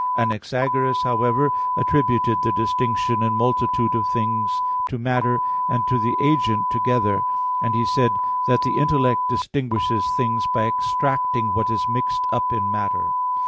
Anaxagoras, however, attributed the distinction and multitude of things to matter and to the agent together; and he said that the intellect distinguishes things by extracting what is mixed up in matter.